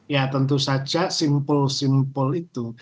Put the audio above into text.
ya tentu saja simpul simpul itu